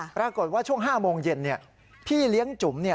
ปรากฏว่าช่วง๕โมงเย็นพี่เลี้ยงจุ๋ม